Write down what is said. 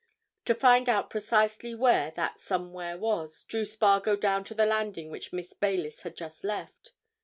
To find out precisely where that somewhere was drew Spargo down to the landing which Miss Baylis had just left.